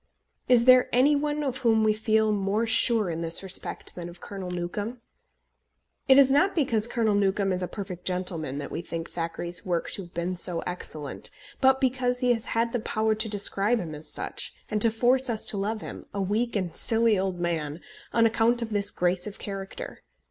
Is there any one of whom we feel more sure in this respect than of Colonel Newcombe? It is not because Colonel Newcombe is a perfect gentleman that we think Thackeray's work to have been so excellent, but because he has had the power to describe him as such, and to force us to love him, a weak and silly old man, on account of this grace of character.